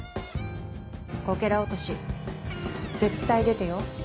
こけら落とし絶対出てよ。